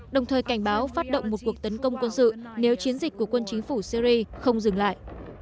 đồng thời cảnh báo phát động một cuộc tấn công quân sự nếu chiến dịch của quân chính phủ syri không dừng lại